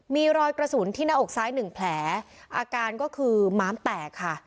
มีรอยกระสุนที่หน้าอกซ้ายหนึ่งแผลอาการก็คือม้ามแตกค่ะ